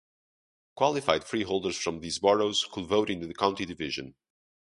Qualified freeholders from those boroughs could vote in the county division.